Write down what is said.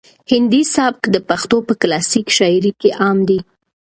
هندي سبک د پښتو په کلاسیک شاعري کې عام دی.